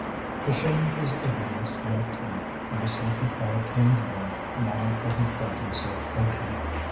The shame of his ignorance left him, and a certain pride came to him now that he felt himself thinking.